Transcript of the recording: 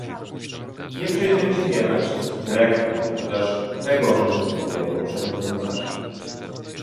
Nie przejrzeliśmy jednak wszystkich dyrektyw, chociaż tego życzył sobie poprzedni komisarz